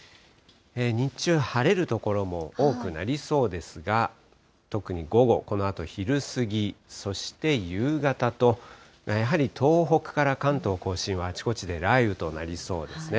日中、晴れる所も多くなりそうですが、特に午後、このあと昼過ぎ、そして夕方と、やはり東北から関東甲信は、あちこちで雷雨となりそうですね。